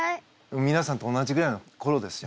みなさんと同じぐらいのころですよ